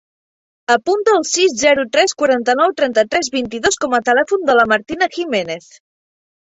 Apunta el sis, zero, tres, quaranta-nou, trenta-tres, vint-i-dos com a telèfon de la Martina Gimenez.